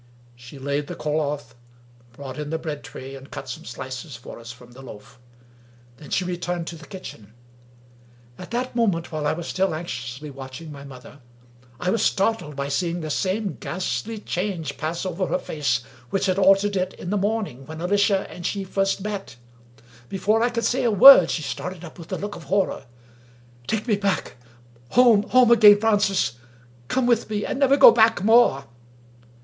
She laid the cloth, brought in the bread tray, and cut some slices for us from the loaf. Then she returned to the kitchen. At that moment, while I was still anxiously watching my mother, I was startled by seeing the same 248 WUkie Collins ghastly change pass over her face which had altered it in the morning when Alicia and she first met. Before I could say a word, she started up with a look of horror. "Take me back! — home, home again, Francis! Come with me, and never go back more!